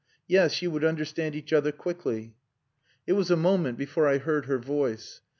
Yes, you would understand each other quickly." It was a moment before I heard her voice. "Mr.